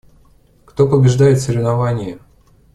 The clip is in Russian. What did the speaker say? Кто побеждает в соревновании?